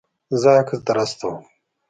زه عکس در استوم